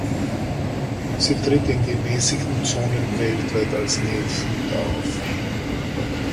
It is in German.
Sie tritt in gemäßigten Zonen weltweit als Neophyt auf.